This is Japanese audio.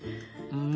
うん。